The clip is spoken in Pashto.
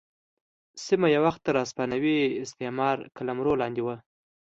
سیمه یو وخت تر هسپانوي استعمار قلمرو لاندې وه.